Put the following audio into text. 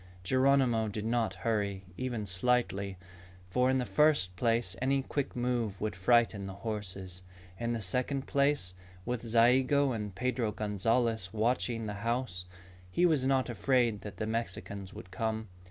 Geronimo did not hurry even slightly, for in the first place any quick move would frighten the horses. In the second place, with Zayigo and Pedro Gonzalez watching the house, he was not afraid that the Mexicans would come.